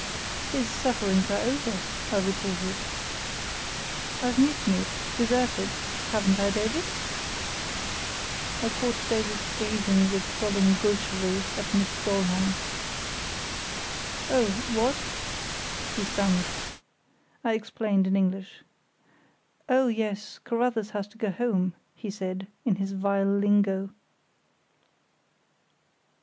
"His sufferings are over," I retorted. "I've mutinied—deserted—haven't I, Davies?" I caught Davies gazing with solemn gaucherie at Miss Dollmann. "Oh, what?" he stammered. I explained in English. "Oh, yes, Carruthers has to go home," he said, in his vile lingo.